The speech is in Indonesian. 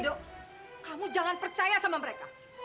dok kamu jangan percaya sama mereka